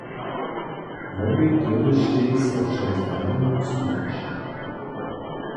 Wobě dyrbještej so před rjadownju stupić.